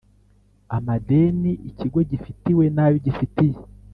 amadeni ikigo gifitiwe n ayo gifitiye